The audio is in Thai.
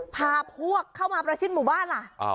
พาพวกเข้ามาประชิดหมู่บ้านล่ะ